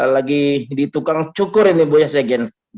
lagi ditukang cukur ini bu ya sejen